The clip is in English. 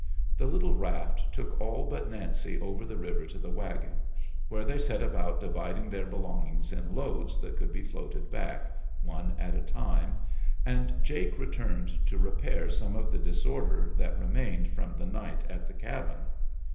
The little raft took all but Nancy over the river to the wagon, where they set about dividing their belongings in loads that could be floated back, one at a time, and Jake returned to repair some of the disorder that remained from the night at the cabin.